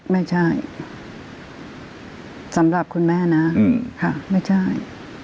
ไม่ใช่สำหรับคุณแม่นะค่ะไม่ใช่